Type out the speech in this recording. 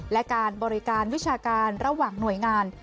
และการบริการวิชาการระหว่างหน่วยงาน